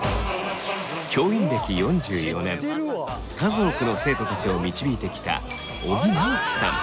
教員歴４４年数多くの生徒たちを導いてきた尾木直樹さん。